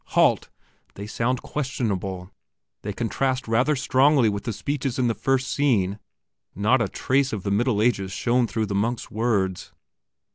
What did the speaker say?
Halt! they sound questionable; they contrast rather strongly with the speeches in the first scenes; not a trace of the Middle Ages shone through the monk's words.